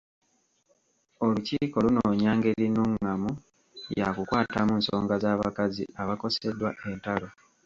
Olukiiko lunoonya ngeri nnungamu ya kukwatamu nsonga z'abakazi abakoseddwa entalo.